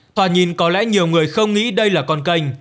tòa nhìn có lẽ nhiều người không nghĩ đây là con kênh